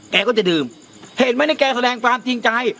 แกก็จะดื่มเห็นไหมเนี่ยแกแสดงความจริงใจ